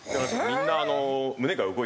みんな。